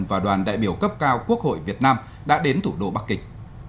và đoàn đại biểu cấp cao quốc hội việt nam đã đến thủ đô bắc kinh